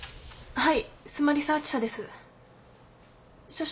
はい。